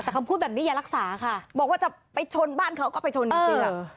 แต่คำพูดแบบนี้อย่ารักษาค่ะบอกว่าจะไปชนบ้านเขาก็ไปชนเสื้อ